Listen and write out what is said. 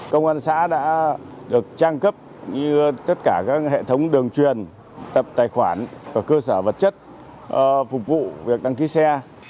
công an xã đã được trang cấp tất cả các hệ thống đường truyền tập tài khoản và cơ sở vật chất phục vụ việc đăng ký xe